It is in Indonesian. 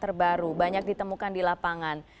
terbaru banyak ditemukan di lapangan